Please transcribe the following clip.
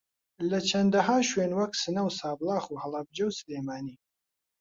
لە چەندەھا شوێن وەک سنە و سابڵاخ و ھەڵەبجە و سلێمانی